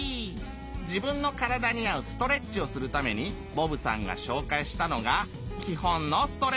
じぶんのからだにあうストレッチをするためにボブさんがしょうかいしたのがきほんのストレッチだのぉり！